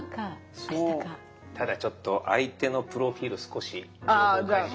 ただちょっと相手のプロフィール少し情報開示しますよ。